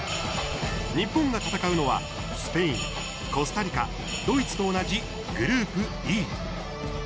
日本が戦うのは、スペインコスタリカ、ドイツと同じグループＥ。